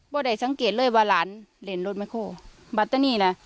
บ่ได้สังเกตเลยว่าหลันเล่นรถแม่โฮบ่ตะนี้ล่ะ